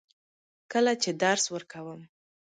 کله چې درس ورکوم.